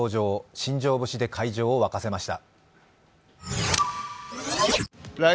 新庄節で会場を沸かせました。